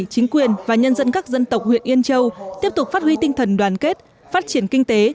chính quyền và nhân dân các dân tộc huyện yên châu tiếp tục phát huy tinh thần đoàn kết phát triển kinh tế